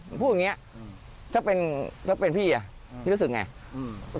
ผมพูดอย่างนี้ถ้าเป็นพี่อ่ะเรียกรู้สึกอย่างไร